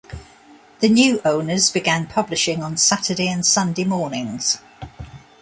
The new owners began publishing on Saturday and Sunday mornings.